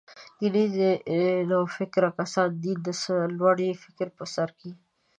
دیني نوفکري کسان «د دین د سرلوړۍ» فکر په سر کې.